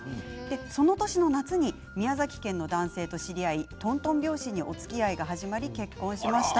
その年の夏に宮崎県の男性と知り合いとんとん拍子におつきあいが始まり、結婚しました。